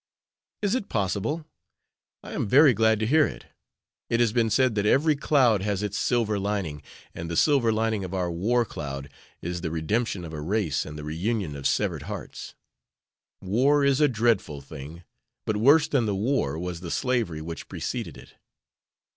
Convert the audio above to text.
"Is it possible? I am very glad to hear it. It has been said that every cloud has its silver lining, and the silver lining of our war cloud is the redemption of a race and the reunion of severed hearts. War is a dreadful thing; but worse than the war was the slavery which preceded it."